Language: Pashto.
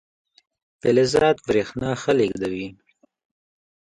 فلزات برېښنا ښه لیږدوي.